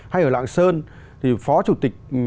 hay ở lạng sơn thì phó chủ tịch